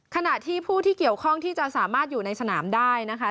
ขณะที่ผู้ที่เกี่ยวข้องที่จะสามารถอยู่ในสนามได้นะคะ